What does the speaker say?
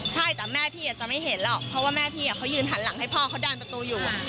ใช่แต่แม่พี่อาจจะไม่เห็นหรอกเพราะว่าแม่พี่เขายืนหันหลังให้พ่อเขาดันประตูอยู่